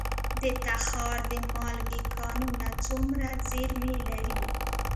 د تخار د مالګې کانونه څومره زیرمې لري؟